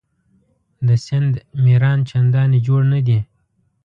د سیند میران چنداني جوړ نه دي.